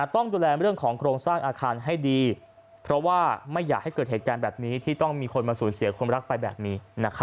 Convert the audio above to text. ต้องดูแลเรื่องของโครงสร้างอาคารให้ดีเพราะว่าไม่อยากให้เกิดเหตุการณ์แบบนี้ที่ต้องมีคนมาสูญเสียคนรักไปแบบนี้